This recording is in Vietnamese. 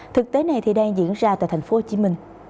thực tế này đang diễn ra tại tp hcm